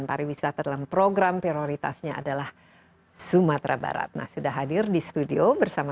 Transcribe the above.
pariwisata dalam program prioritasnya adalah sumatera barat nah sudah hadir di studio bersama